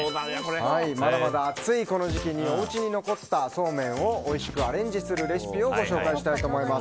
まだまだ暑いこの時期におうちに残ったそうめんをおいしくアレンジするレシピをご紹介したいと思います。